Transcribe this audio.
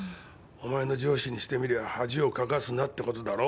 お前の上司にしてみりゃ恥をかかすなってことだろ？